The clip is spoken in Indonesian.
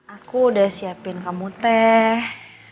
aku udah siapin kamu teh